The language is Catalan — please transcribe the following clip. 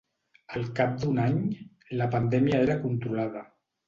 Al cap d’un any, la pandèmia era controlada.